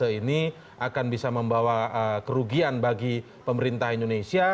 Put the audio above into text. ini akan bisa membawa kerugian bagi pemerintah indonesia